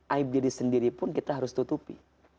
aib diri sendiri pun kita harus tutupi